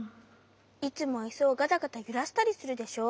いつもイスをガタガタゆらしたりするでしょ？